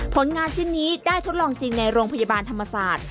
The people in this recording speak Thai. ผลงานชิ้นนี้ได้ทดลองจริงในโรงพยาบาลธรรมศาสตร์